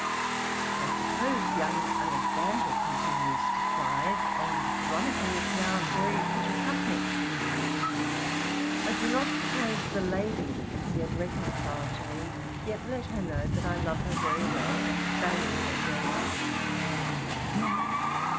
I suppose young Alexander continues to thrive, and Veronica is now very pretty company. I do not suppose the lady is yet reconciled to me, yet let her know that I love her very well, and value her very much.